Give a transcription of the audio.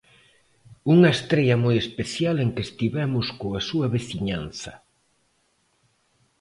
Unha estrea moi especial en que estivemos coa súa veciñanza.